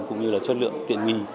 cũng như là chất lượng tiện nghi